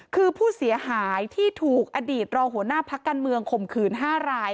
คือผู้เสียหายที่ถูกอดีตรองหัวหน้าพักการเมืองข่มขืน๕ราย